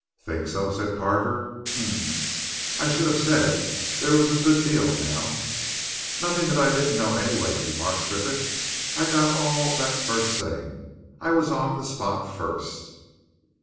"Think so?" said Carver. "Um I should have said there was a good deal, now." "Nothing that I didn't know, anyway," remarked Triffitt. "I got all that first thing; I was on the spot first."